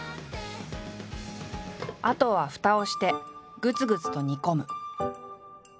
あとはふたをしてぐつぐつと煮込む。